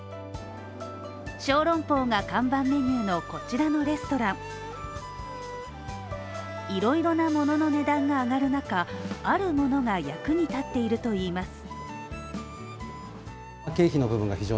小籠包が看板メニューのこちらのレストランいろいろな物の値段が上がる中、あるものが役に立っているといいます。